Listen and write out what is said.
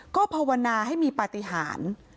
ก็ภาวนาให้มีปฏิหาร